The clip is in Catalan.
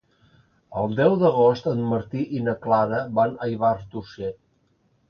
El deu d'agost en Martí i na Clara van a Ivars d'Urgell.